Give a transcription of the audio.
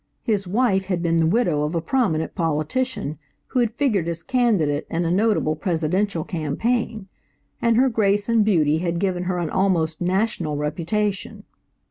His wife had been the widow of a prominent politician who had figured as candidate in a notable presidential campaign, and her grace and beauty had given her an almost national reputation.